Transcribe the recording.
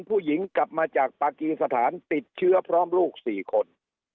ผู้หญิงกลับมาจากปากีสถานติดเชื้อพร้อมลูก๔คน